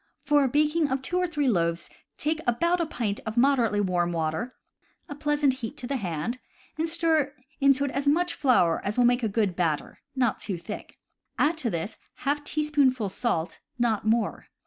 For a baking of two or three loaves take about a pint of moderately warm water (a pleasant heat to the hand) and stir into it as much flour as will make a good batter, not too thick. Add to this ^ teaspoonful salt, not more.